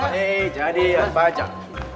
hei jadi ya pajak